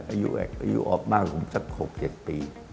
อายุออกมาผมสัก๖๗ปี